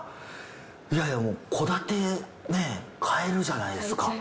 いやいやもう戸建て買えるじゃないですか。